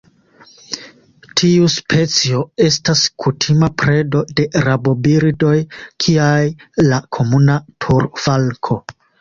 Tiu specio estas kutima predo de rabobirdoj kiaj la Komuna turfalko.